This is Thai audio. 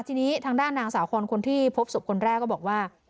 ทีนี้ทางด้านนางสาวคอนคนที่พบศพคนแรกก็บอกว่า